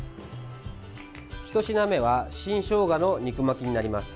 １品目は新ショウガの肉巻きになります。